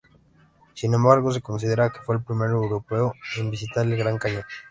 Sin embargo, se considera que fue el primer europeo en visitar el Gran Cañón.